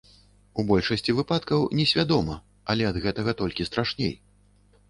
У большасці выпадкаў несвядома, але ад гэтага толькі страшней.